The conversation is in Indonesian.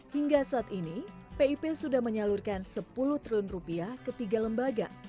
hingga saat ini pip sudah menyalurkan sepuluh triliun rupiah ke tiga lembaga